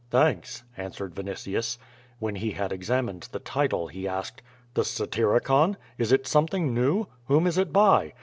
, "Thanks," answered Vinitius. When he had examined the title he asked: "The Satiricon? Is it something new? Whom is it by?"